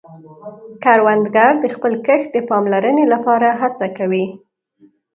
کروندګر د خپل کښت د پاملرنې له پاره هڅه کوي